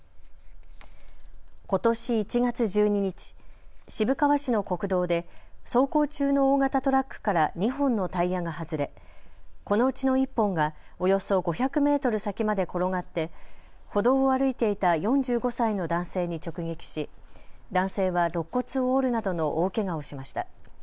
ことし１月１２日、渋川市の国道で走行中の大型トラックから２本のタイヤが外れこのうちの１本がおよそ５００メートル先まで転がって歩道を歩いていた４５歳の男性に直撃し、男性はろっ骨を折るなどの大けがをしました。